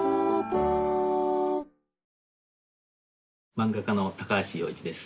まんが家の高橋陽一です。